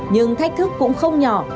nhưng thách thức cũng không nhỏ